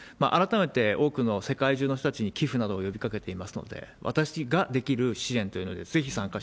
改めて多くの、世界中の人たちに寄付などを呼びかけていますので、私ができる支援というのにね、そうですね。